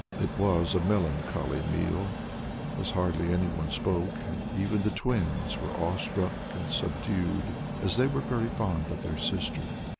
It was a melancholy meal, as hardly anyone spoke, and even the twins were awestruck and subdued, as they were very fond of their sister.